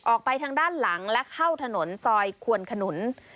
ออกไปทางด้านหลังและเข้าถนนซอยควนขนุน